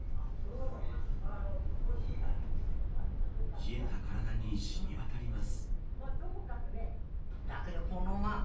冷えた体に染み渡ります。